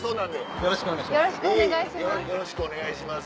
よろしくお願いします。